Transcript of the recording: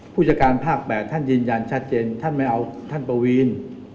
ผู้จัดการภาค๘ท่านยืนยันชัดเจนท่านไม่เอาท่านปวีน